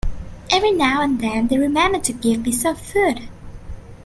Every now and then they remember to give me some food.